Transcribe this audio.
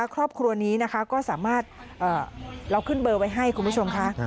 ครอบครัวนี้นะคะก็สามารถเราขึ้นเบอร์ไว้ให้คุณผู้ชมค่ะ